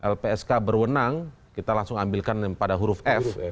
lpsk berwenang kita langsung ambilkan pada huruf f